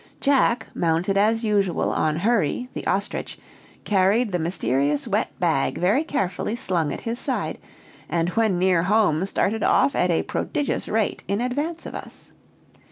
Jack, mounted as usual on Hurry, the ostrich, carried the mysterious wet bag very carefully slung at his side, and when near home started off at a prodigious rate in advance of us.